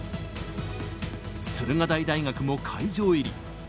駿河台大学も会場入り。